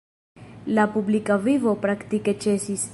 La publika vivo praktike ĉesis.